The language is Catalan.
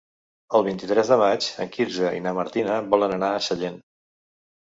El vint-i-tres de maig en Quirze i na Martina volen anar a Sallent.